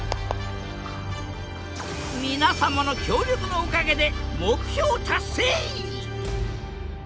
皆様の協力のおかげで目標達成！